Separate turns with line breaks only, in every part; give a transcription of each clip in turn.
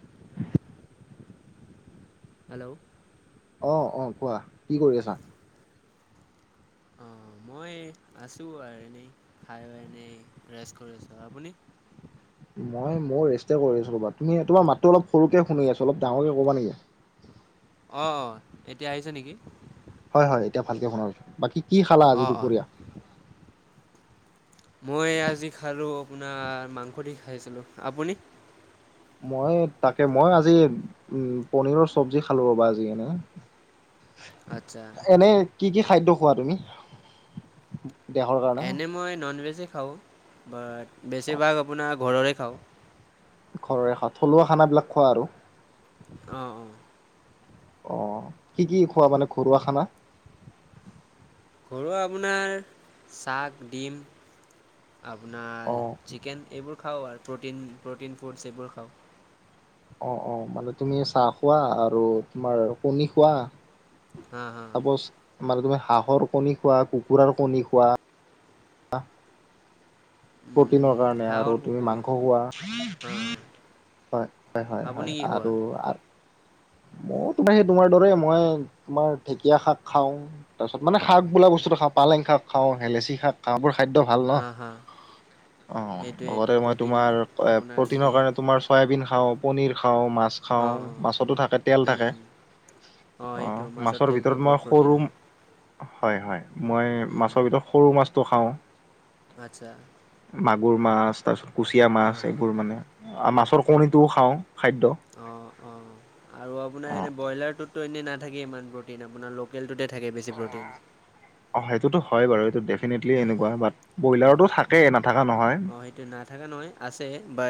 [inaudible]
Hello?
অ'-অ', কোৱা, কি কৰি আছা?
অ। মই আছো আৰু এনেই খাই এনেই ৰেষ্ট কৰিছোঁ আপুনি।
মই মোৰ ৰেষ্টে কৰি আছো ক'বা তুমি তোমাৰ মাতটো অলপ সৰুকে শুনি আছ অলপ ডাঙৰ কে ক'বা নেকি।
অ অ এতিয়া আহিছে নেকি।
হয় হয় এতিয়া ভালকে শুনা পাইছোঁ বাকী কি খালা আজি
অঁ অঁ
দুপৰীয়া।
মই আজি খালো আপোনাৰ মাংস দি খাইছিলো আপুনি।
মই তাকে মই আজি উ পনীৰৰ চব্জি খালো ৰ'বা আজি এনে।
আচ্ছা
এনে কি কি খাদ্য খোৱা তুমি। দেহৰ কাৰণে
এনে মই ননভেজেই খাওঁ বাট বেছিভাগ আপোনাৰ ঘৰৰে খাওঁ।
ঘৰৰে থলুৱা খানাবিলাক খোৱা আৰু।
অ অ।
অ কি কি খোৱা মানে ঘৰুৱা খানা।
ঘৰুৱা আপোনাৰ চাক ডিম। আপোনাৰ
অ',
চিকেন এইবোৰ খাওঁ আৰু প্ৰটিন প্ৰটিন ফুডছ এইবোৰ খাওঁ।
অ অ মানে তুমি চাহ খোৱা আৰু তোমাৰ কণী খোৱা।
হা হা।
চাপ'জ মানে তুমি হাঁহৰ কণী খোৱা কুকুৰাৰ কণী খোৱা। প্ৰ'টিনৰ কাৰণে আৰু
হাঁহৰ
তুমি মাংস খোৱা।
হাঁ হাঁ
হয় হয়
আপুনি
হয়
কি খোৱা
আৰু। মই তোমাৰ সেই তোমাৰ দৰে মই তোমাৰ ঢেকীয়া শাক খাও তাৰপিছত মানে শাক বোলা বস্তু। খাওঁ পালেং শাক খাওঁ হেলেচি শাক খ বোৰ খাদ্য ভাল ন।
হাঁ হাঁ
অ
এইটোৱে এইটো
লগতে মই
প্ৰ'টিন
তোমাৰ
আপোনাৰ
প্ৰটিনৰ
দিয়ে
কাৰণে তোমাৰ চয়াবিন খাওঁ পনিৰ খাওঁ। খা মাছ খা
অঁ অঁ
মাছতো থাকে তেল
হুম,
থাকে।
হুম। অঁ এইটো
আহ মাছৰ
তেলটো
ভিতৰত
বহুত
মই
প্ৰ'টিন
সৰু।
হয়
হয় হয় মই
হুম, হুম।
মাছৰ ভিতৰত সৰু মাছটো খাওঁ।
আচ্ছা।
মাগুৰ মাছ তাৰ পিছত কুচিয়া
অঁ
মাছ
হা
এইবোৰ মানে মাছৰ কণীটোও খাওঁ। খাদ্য
অ অ আৰু আপোনাৰ
অ
এনেই ব্ৰইলাৰটোত। নাথাকে ইমান প্ৰ'টিন আপোনাৰ লোকেলটোতে থাকে বেছি প্ৰটিন।
অ সেইটোতো হয় বাৰু এইটো ডেফিনেটলি
উম
এনেকুৱা
হম
বাট ব্ৰইলাৰতো
আহ
থাকে নাথাকা নহয়।
আহ সেইটো নাথাকে নহয় আছে বা।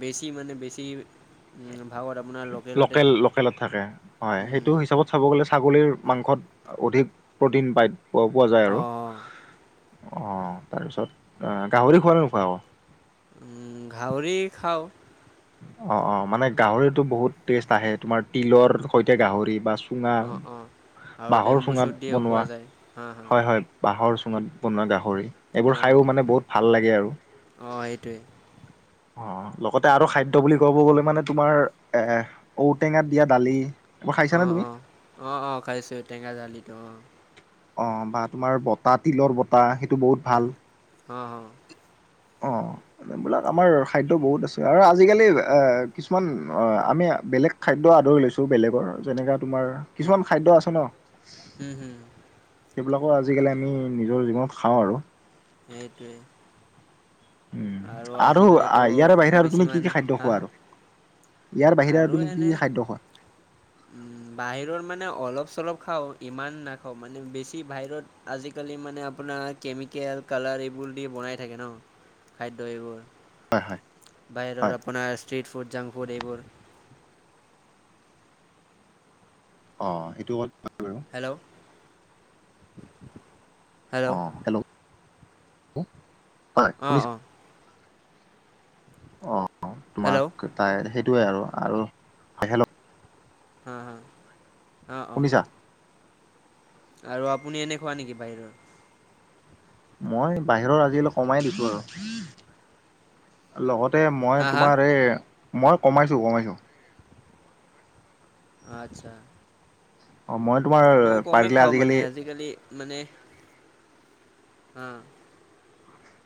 বেছি মানে বেছি। উম, ভাগত আপোনাৰ লোকেলতে
লোকেল
থাকে
লোকেলত থাকে হয়
হুম,
সেইটো
হুম।
হিচাপত চাব গলে ছাগলীৰ। মাংসত অধিক প্ৰ'টিন পাই পোৱা যায়
অঁ
আৰু।
অঁ
অ তাৰপিছত গাহৰি খোৱা ন নোখোৱা আকৌ।
গাহৰি খাওঁ।
অ অ মানে গাহৰিতো বহুত টেষ্ট আহে তোমাৰ তিলৰ সৈতে গাহৰি বা। চুঙা
অঁ অঁ আৰু
বাহৰ
বেম্বু শ্বুট
চুঙাত
দিও খোৱা
বনোৱা
যায় হা হা
হয় হয় বাহৰ চুঙা। বনোৱা গাহৰি
হা
এইবোৰ
হা
খাই মানে বহুত ভাল লাগে আৰু।
অঁ সেইটোৱে
অ লগতে আৰু খাদ্য বুলি ক'ব গলে মানে তোমাৰ এ ঔটেঙাত দিয়া দালি। এইবোৰ
অ
খাইছানে তুমি
অ অ অ খাইছো টেঙা জালিতো অ।
অ বা তোমাৰ বতাহ তিলৰ বতাহ সেইটো বহুত ভাল।
হ হ
অ এইবিলাক আমাৰ খাদ্য বহুত আছে আৰু আজিকালি এ কিছুমান অ আমি বেলেগ খাদ্য। আদৰি লৈছো বেলেগৰ যেনেককা তোমাৰ
সেই
কিছুমান খাদ্য আছে ন।
হুম হুম
সেইবিলাকো আজিকালি আমি নিজৰ জীৱনত খাওঁ আৰু।
সেইটোৱেই।
উম
আৰু আজিকালিতো
ইয়াৰে বাহিৰে আৰু তুমি কি কি
বেছিমান
খাদ্য
হাঁ
খোৱা
হা।
আৰু ইয়াৰ বাহিৰে
আৰু
তুমি কি
এনে
কি খাদ্য খোৱা
উম বাহিৰৰ মানে অলপ চলপ। খাওঁ ইমান নাখাওঁ মানে বেছি বাহিৰত আজিকালি মানে আপোনাৰ কেমিকেল কালাৰ এইবোৰ। ফুল দি বনাই থাকে ন খাদ্য এইবোৰ।
হয় হয় হয়
বাহিৰৰ আপোনাৰ ষ্ট্ৰিট ফুড, জাংক ফুড এইবোৰ
অ সেইটো ক
হেল্ল'!
অ হেল্ল'! প
অঁ
শুনি
অঁ
অ,
হেল্ল'
তোমাক তাই সেইটোৱে আৰু আৰু হয় হেল্ল
হ হ, অ অ।
শুনিছা
আৰু আপুনি এনে খোৱা নেকি বাহিৰৰ?
মই বাহিৰত আজি অলপ কমাই দিছো আৰু লগত তে
হা
মই
হা
তোমাৰ এই মই কমাইছো কমাইছো।
আচ্ছা।
অ মই তোমাৰ
মই কমেই
পাৰিলে
খাওঁ মানে আজিকালি মানে আহ।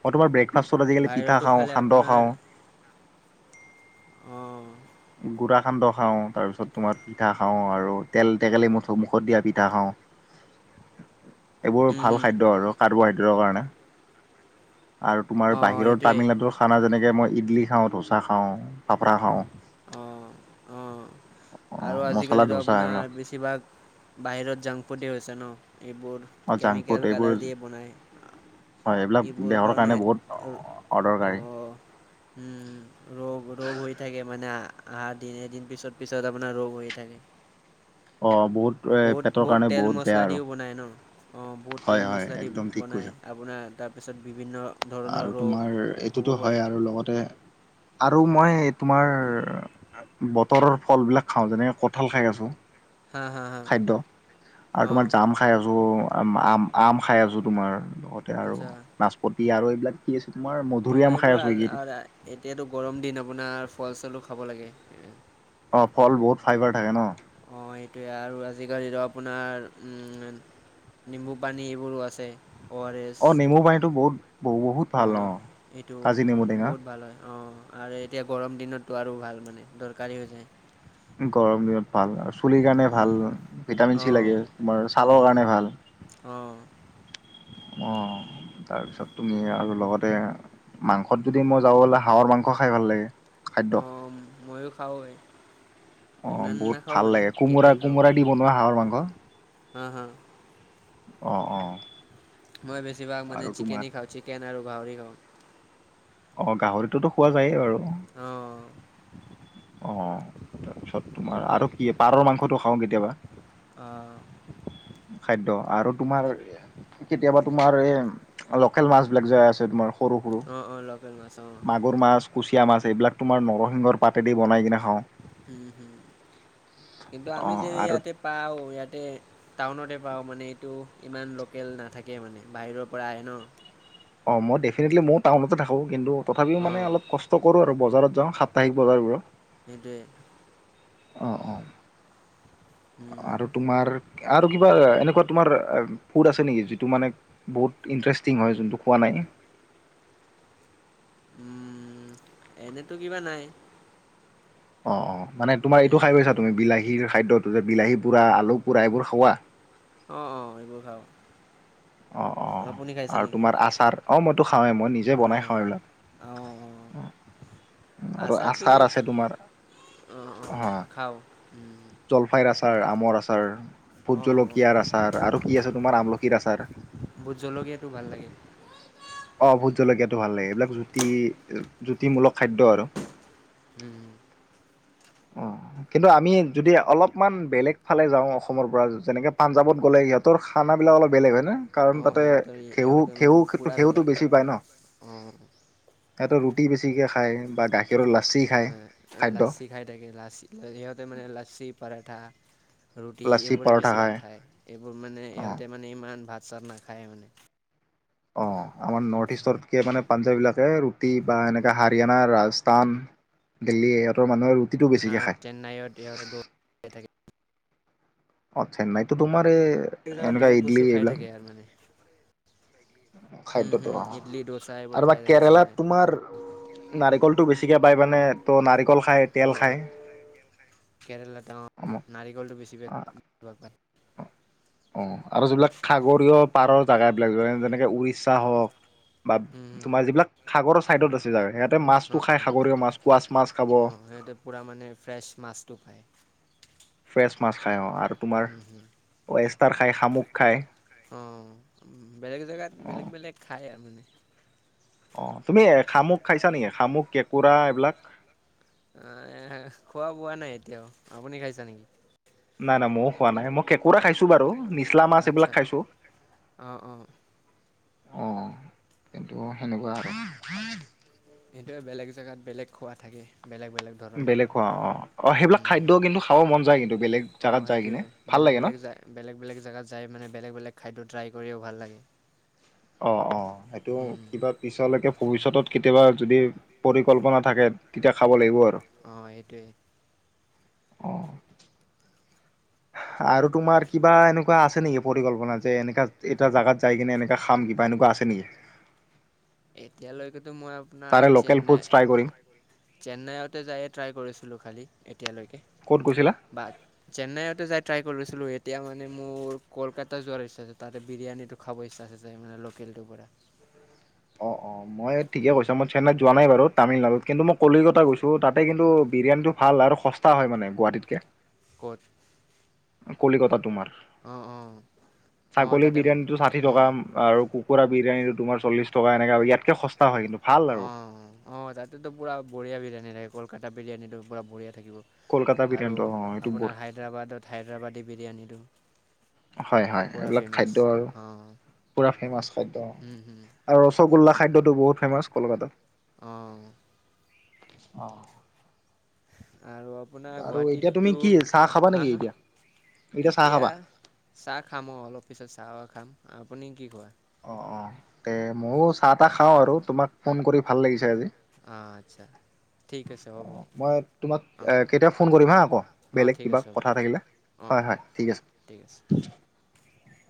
মই তোমাৰ ব্ৰেকফাষ্টত আজিকালি পিঠা খাওঁ,
খালে
সান্দহ খাওঁ।
অ।
গুড়া সান্দহ খাওঁ, তাৰপিছত তোমাৰ পিঠা খাওঁ আৰু তেল টেকেলি মুঠ মুখত দিয়া পিঠা খাওঁ।
এ [inaudible]
এইবোৰ ভাল খাদ্য আৰু কাৰ্বহাইড্ৰেটৰ কাৰণে। আৰু তোমাৰ
অঁ
বাহিৰৰ
এইটোৱে
তামিলনাডুৰ খানা যেনেকে মই ইডলি খাওঁ, ধোচা খাওঁ। ফাফৰা খাওঁ অ
আহ-আহ। আৰু
মছলা
আজিকালিতো
ধোচা এইবিলাক
আপোনাৰ বেছিভাগ বাহিৰত জাংক ফুডেই হৈছে ন। এইবোৰ
অ জাংক ফুড
কেমিকেল
এইবোৰ
কালাৰ দিয়ে বনায়।
হয় এইবিলাক দেহৰ কাৰণে বহুত অদৰকাৰী।
অঁ উম, ৰোগ ৰোগ হৈ থাকে মানে আ আহাৰ দিন এদিন পিছত পিছত আপোনাৰ ৰোগ হৈ থাকে।
অ বহুত এ পেটৰ
বহুত-বহুত
কাৰণে
তেল
বহুত বেয়া
মছলা
আৰু
দিও বনায় ন, অ বহুত
হয়
তেল
হয়
মছলা দি
একদম ঠিক কৈছা
বনায় আপোনাৰ তাত তাৰপিছত বিভিন্ন ধৰণৰ
আৰু
ৰোগ
তোমাৰ
হ'ব
এইটোতো
পাৰে
হয় আৰু লগতে আৰু মই তোমাৰ বতৰৰ ফলবিলাক খাওঁ যেনেকৈ কঁঠাল খাই আছোঁ
হা হা হা
খাদ্য আৰু তোমাৰ
অঁ
জাম খাই আছো, আম-আম আম খাই আছো তোমাৰ লগতে আৰু নাচপতি আৰু এইবিলাক কি আ
অ এইবোৰ আ আ এতিয়াতো গৰম দিন আপোনাৰ ফল চলো খাব লাগে এ
অ ফল বহুত ফাইবাৰ থাকে ন।
অ সেইটোৱেই আৰু আজিকালিতো আপোনাৰ উম। নিম্বু পানী এইবোৰো আছে। আৰ এছ
অ নেমু পানীটো বহুত বহুত
অ
ভাল
এইটো
কাজি নেমু টেঙা
বহুত ভাল হয় অ। আৰু এতিয়া গৰম দিনতো আৰু ভাল মানে দৰকাৰী হৈ যায়।
গৰম দিনত ভাল না আচো পুলিৰ কাৰণে ভাল
উম,
ভিটামিন চি
অঁ
লাগে, তোমাৰ ছালৰ কাৰণে ভাল।
উম।
অঁ তাৰপিছত তুমি আৰু লগতে মাংসত যদি মই যাব বলে হাঁহৰ মাংস খাই ভাল লাগে। খাদ্য
অ মইয়ো খাওঁ এই
অ বহুত ভাল লাগে কোমোৰা-কোমোৰা দি বনোৱা হাঁহৰ মাংস।
উম হুম।
অঁ-অঁ।
মই বেছিভাগ মানে চিকেনে খাওঁ। চিকেন আৰু গাহৰি খাওঁ।
অ গাহৰিটোতো খোৱা যায়েই বাৰু।
অ',
অ তাৰপিছত তোমাৰ আৰু কি পাৰৰ মাংসটো খাওঁ কেতিয়াবা
অ',
খাদ্য আৰু তোমাৰ কেতিয়াবা তোমাৰ এ লোকেল মাছ বিলাক যে আছে তোমাৰ সৰু সৰু
অ-অ লগ
মাগুৰ মাছ, কুচিয়া মাছ এইবিলাক তোমাৰ নৰসিংহৰ পাতেদি বনাই কিনে খাওঁ।
উম হম কিন্তু আমি
অ',
যে
আৰু
ইয়াতে পাওঁ ইয়াতে টাউনতে পাওঁ মানে এইটো ইমান লোকেল নাথাকে মানে বাহিৰৰ পৰা আহে ন
অ মই ডেফিনেটলি মইয়ো টাউনতে থাকো। কিন্তু তথাপিও মানে
অ',
অলপ কষ্ট কৰো আৰু। বজাৰত যাওঁ সাপ্তাহিক বজাৰবোৰত।
সেইটোৱেই
অ অ আৰু তোমাৰ আৰু কিবা এনেকুৱা তেনেকুৱা তোমাৰ ফুড আছে নেকি যিটো মানে বহুত ইণ্টাৰেষ্টিং হয় যোনটো খোৱা নাই।
উম এনেতো কিবা নাই
অ-অ মানে তোমাৰ এইটো খাই
এনে
গৈছা তুমি বিলাহীৰ খাদ্যটো যে বিলাহী পোৰা, আলু পোৰা এইবোৰ খোৱা
অ অ এইবোৰ খাওঁ।
অ অ
আপুনি খাইছে
আৰু
নেকি?
তোমাৰ আচাৰ অ ম খাে মই নিজে বনাই খাওঁ
অ',
এইবিলাক। আৰু
আচাৰটে
আচাৰ আছে তোমাৰ
অ অ খাওঁ।
জলফাইৰ আচাৰ আমৰ আচাৰ ভোট
অঁ অঁ
জলকীয়াৰ আচাৰ আৰু কি আছে তোমাৰ আমলখিৰ আচাৰ
ভোত জলকীয়াতটো ভাল লাগে।
অ ভোত জলকীয়াটো ভাল লাগে। এইবিলাক জুতি জুতিমূলক খাদ্য আৰু
উম হম
অ
[unintelligible]
কিন্তু আমি যদি অলপমান বেলেগ ফালে যাও অসমৰ পৰা যেনেকে পাঞ্জাৱত গ'লে সিহঁতৰ খানা বিলাক অল বেলেগ হয় নে? কাৰণ
অঁ
তাতে
সিহঁতৰ
ঘেহু
সিহঁতৰ মানে
খেউটো
পূৰা
খেউতটো
বেলেগ
বেছি পায় ন।
অঁ
সিহঁত ৰুটি বেছিকৈ খায় বা গাখীৰৰ লাচি খায় খাদ্য
লা সিহঁতে মানে লছি, পৰঠা ৰুটি
লাচি
এইবোৰে
পৰঠা
বেছিভাগ খায় এইবোৰ মানে
অ
ইহঁতে মানে ইমান ভাত চাত নাখায় মানে
অ আমাৰ নৰ্থ ইষ্টতকে মানে পাঞ্জাৱবিলাকে ৰুটি বা এনেকৈ হাৰিয়ানা ৰাজস্থান দিল্লী সহঁতৰ মানুহে ৰুটি
চেন্নাইত ই থাকে।
অ চেন্নাইততো তোমাৰ এই
প্ৰত্যেক জেগাত
এনেকুৱা
বেলেগ বস্তু
ইডলি
খাই
এইবিলাক
থাকে আৰু মানে [unintelligible] উম
খাদ্যতো
হুম,
অ
ইডলি দোচা এইবোৰ
আৰু বা
খাই থাকে
কেৰেলাত
চেন্নাইত অঁ
তোমাৰ নাৰিকলতটো বেছিকে বাই মানে ত নাৰ
অ অ কেৰেলাতে অ নাৰিকলটো বেছিভাগ
অ আৰু যিবিলাক সাগৰীয় পাৰৰ জোগা বিলাক যেনেকে উৰিষ্যা হওক বা
উম, উম,
তোমাৰ যিবিলাক সাগৰৰ চাইডত আছে জাগা সয়াতে মাছটো
অঁ
খাই সাগৰীয় মাছ কোৱাচ মাছ খাব
অঁ সিহঁতে পূৰা মানে ফ্ৰেছ মাছটো পায়
ফ্ৰেছ মাছ খাই অ আৰু তোমাৰ ৱেষ্টাৰ খাই শামুক খায়
অ বেলেগ জেগাত
অ
বেলেগ বেলেগ খাই আৰু মানে
অ তুমি শামুক খাইছা নেকি শামুক কেঁকোৰা এইবিলাক
খোৱা বোৱা নাই এতিয়াও আপুনি খাইছা নেকি
নাই নাই ময়ো খোৱা নাই মই কেঁকোৰা খাইছো বাৰু নিচলা মাছ এইবিলাক
আচ্ছা
খাইছো
অঁ অঁ
অঁ কিন্তু সেনেকুৱা আৰু
সেইটোৱে বেলেগ জেগাত বেলেগ খোৱা থাকে বেলেগ বেলেগ ধৰণৰ
বেলেগ খোৱা অ অ সেইবিলাক খাদ্য় কিন্তু খাব মন যায় কিন্তু বেলেগ
অঁ
জাগাত যায়
সেইটোৱে
কিনে ভাল
বেলেগ
লাগে ন
বেলেগ জা বেলেগ বেলেগ জেগাত যাই মানে বেলেগ বেলেগ খাদ্য ট্ৰাই কৰিও ভাল লাগে
অ অ সেইটো কিবা পিছলৈকে ভৱিষ্যতত কেতিয়াবা যদি পৰিকল্পনা থাকে তেতিয়া খাব লাগিব আৰু
অৱ সেইটোৱে
অ আৰু তোমাৰ কিবা এনেকুৱা আছে নেকি পৰিকল্পনা যে এনেকা এটা জেগাত যাই কিনে এনেকৈ খাম কিবা এনেকুৱা আছে নেকি
এতিয়ালৈকেতো মই আপোনাৰ
তাৰে লোকেল ফুডছ ট্ৰাই
চেন্নাইত
কৰিম
চেন্নাইতে যায়ে ট্ৰাই কৰিছিলো খালি এতিয়ালৈকে
ক'ত গৈছিলা
বা চেন্নাইতো যায় ট্ৰাই লৈছিলো এতিয়া মানে মোৰ কলকাত যোৱাৰ ইচ্ছা আছে তাতে বিৰিয়ানীটো খাব ইচ্ছা আছে মানে লোকেল টো [unintelligible]
অৱ অৱ মই ঠিকে কৈছো মই চেন্নাইত যোৱা নাই বাৰু তামিলনাডুত কিন্তু মই কলিকতা গৈছো তাতে কিন্তু বিৰিয়ানীটো ভাল আৰু সস্তা হয় মানে গুৱাহাটীতকে
ক'ত
কলিকতাত তোমাৰ
অঁ অঁ অঁ
ছাগলী
তাতে
বিৰিয়ানীটো ষাঠি
অঁ
টকা আৰু কুকুৰা বিৰিয়ানীটো তোমাৰ চল্লিছ টকা এনেকা ইয়াতকে সস্তা হয় কিন্তু ভাল আৰু
অৱ অৱ তাতটো পুৰা বঢ়িয়া বিৰিয়ানী থাকে। কলকাতা বিৰিয়ানীটো পুৰা বঢ়িয়া থাকিব
কলকাতা
আৰু
বিৰিয়ানীটো অ এইটো বহুত
আপোনাৰ হাইদৰাবাদৰ হাইদৰাবাদৰ বিৰিয়ানীটো।
হয় হয়
পূৰা
এইবিলাক
ফেমাছ
খাদ্য‌ আৰু
অঁ
পুৰা ফেমাচ খাদ্য আৰু চপ
অৱ।
অহ।
আৰু আপোনাৰ
বাৰু এতিয়া
গুৱাহাটীততো
তুমি কি চাহ খাবা
হা
নেকি
হা
এতিয়া? চাহ
এতিয়া
খাবা
চাহ খাম অৱ অলপ পিছত চাহ খাম। আপুনি কি কয়?
অ অ তে ময়ো চাহ তাহ খাওঁ আৰু। তোমাক ফোন কৰি ভাল লাগিছে আজি।
অ আচ্ছা। ঠিক আছে হ'ব
অৱ মই তোমাক
অঁ
কেতিয়াবা ফোন কৰিম হা আকৌ
অঁ
বেলেগ
ঠিক
কিবা
আছে হ'ব
কথা
দিয়ক
থাকিলে?
অঁ
হয়
অঁ
হয় ঠিক আছে।
[inaudible]